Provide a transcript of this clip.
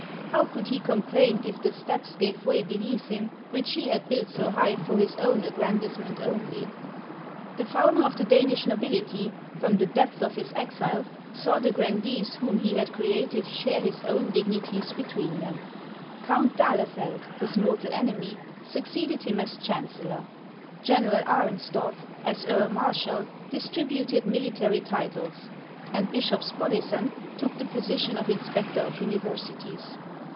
How could he complain if the steps gave way beneath him, which he had built so high for his own aggrandizement only ? The founder of the Danish nobility, from the depth of his exile, saw the grandees whom he had created share HANS OF ICELAND. 37 his own dignities between them. Count d'Ahlefeld, his mortal enemy, succeeded him as chancellor; General Arensdorf, as earl marshal, distributed military titles, and Bishop Spollyson took the position of inspector of uni versities.